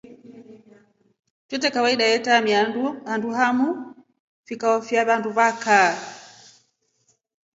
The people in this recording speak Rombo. Tute kawaida ya taamiya andu hamu vikao fya vye vandu vakaa.